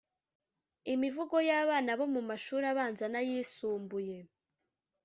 imivugo y’abana bo mu mashuri abanza n’ayisumbuye